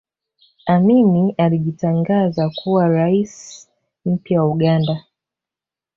amini alijitangaza kuwa rais mpya wa uganda